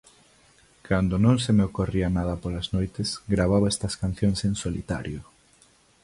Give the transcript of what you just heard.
Cando non se me ocorría nada polas noites, gravaba estas cancións en solitario.